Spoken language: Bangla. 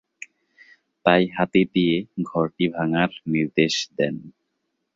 তাই হাতি দিয়ে ঘরটি ভাঙ্গার নির্দেশ দেন।